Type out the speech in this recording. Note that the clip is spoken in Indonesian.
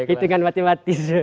itu kan matematis